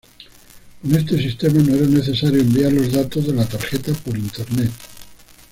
Con este sistema no era necesario enviar los datos de la tarjeta por internet.